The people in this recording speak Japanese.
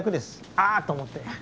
あーっと思って。